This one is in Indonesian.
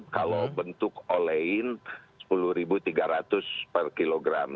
kalau bentuk olein rp sepuluh tiga ratus per kilogram